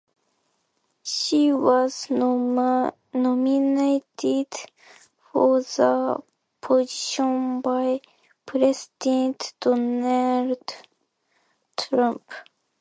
She was nominated for the position by President Donald Trump.